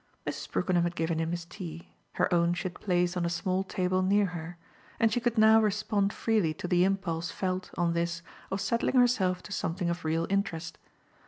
Mrs. Brookenham had given him his tea her own she had placed on a small table near her; and she could now respond freely to the impulse felt, on this, of settling herself to something of real interest.